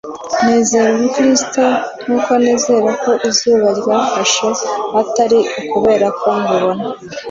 nizera ubukristo nk'uko nizera ko izuba ryarashe - atari ukubera ko mbibona